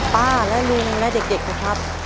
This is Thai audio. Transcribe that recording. ป้าและลุงและเด็กนะครับ